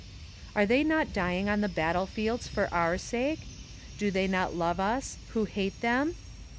Are they not dying on the battlefields for our sake? Do they not love us who hate them?